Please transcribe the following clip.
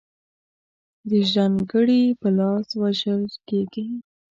د ژرند ګړي په لاس وژل کیږي.